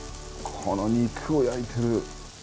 この肉を焼いている。